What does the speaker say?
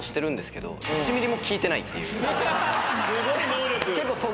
すごい能力。